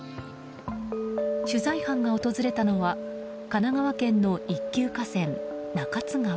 取材班が訪れたのは神奈川県の一級河川、中津川。